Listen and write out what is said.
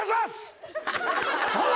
どうも。